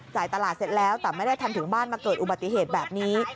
ตลาดเสร็จแล้วแต่ไม่ได้ทันถึงบ้านมาเกิดอุบัติเหตุแบบนี้